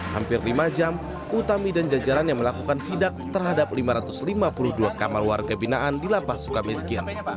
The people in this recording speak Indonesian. hampir lima jam utami dan jajarannya melakukan sidak terhadap lima ratus lima puluh dua kamar warga binaan di lapas suka miskin